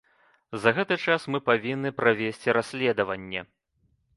За гэты час мы павінны правесці расследаванне.